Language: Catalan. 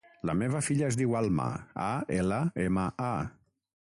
La meva filla es diu Alma: a, ela, ema, a.